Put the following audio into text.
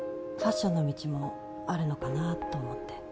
ファッションの道もあるのかなと思って